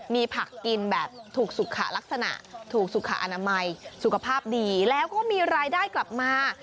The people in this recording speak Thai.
มีผักกินแบบถูกสุขลักษณะถูกสุขอนามัยสุขภาพดีแล้วก็มีรายได้กลับมา